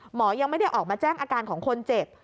หมอยังไม่ได้ออกมาแจ้งอาการของคนเจ็บ